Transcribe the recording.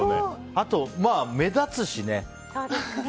あと、目立つしね。